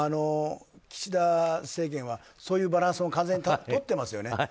岸田政権はそういうバランスをとっていますよね。